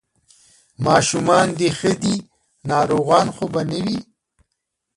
ماشومان دې ښه دي، ناروغان خو به نه وي؟